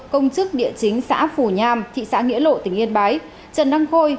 công chức địa chính xã phủ nham thị xã nghĩa lộ tỉnh yên bái trần đăng khôi